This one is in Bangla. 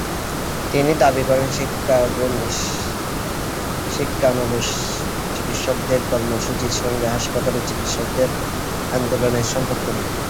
তিনি দাবি করেন, শিক্ষানবিশ চিকিৎসকদের কর্মসূচির সঙ্গে হাসপাতালের চিকিৎসকদের আন্দোলনের সম্পর্ক নেই।